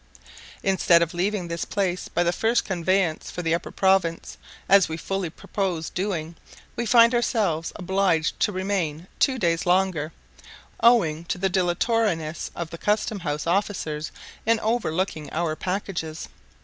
Instead of leaving this place by the first conveyance for the upper province, as we fully purposed doing, we find ourselves obliged to remain two days longer, owing to the dilatoriness of the custom house officers in overlooking our packages.